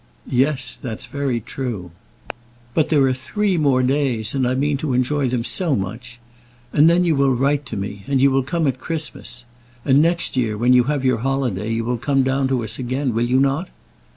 "Yes; that's very true." "But there are three more days, and I mean to enjoy them so much! And then you will write to me: and you will come at Christmas. And next year, when you have your holiday, you will come down to us again; will you not?"